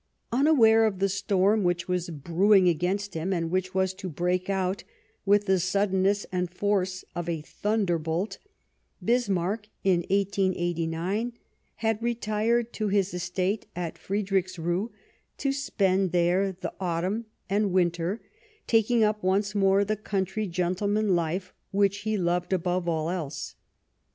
Unaware of the storm which was brewing against him, and which was to break out with the sudden ness and force of a thunderbolt, Bismarck, in 1889, had retired to his estate at Friedrichsruh to spend there the autumn and winter, taking up once more the country gentleman life which he loved above all else.